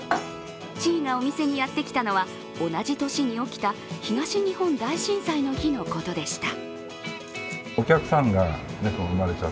チーがお店にやってきたのは、同じ年に起きた東日本大震災の日のことでした。